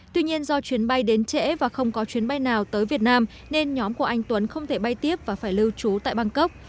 tuy nhiên do chuyến bay đến trễ và không có chuyến bay nào tới việt nam nên nhóm của anh tuấn không thể bay tiếp và phải lưu trú tại bangkok